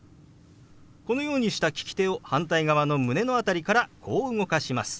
このようにした利き手を反対側の胸の辺りからこう動かします。